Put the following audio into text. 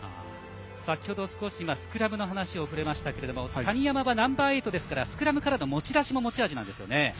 先程スクラムの話に触れましたが谷山はナンバーエイトですからスクラムからの持ち出しも持ち味ですね。